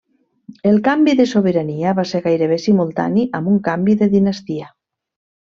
El canvi de sobirania va ser gairebé simultani amb un canvi de dinastia.